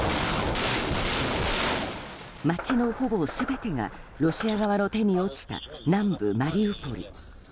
街のほぼ全てがロシア側の手に落ちた南部マリウポリ。